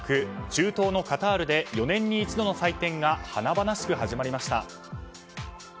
中東のカタールで４年に一度の祭典が華々しく始まりました。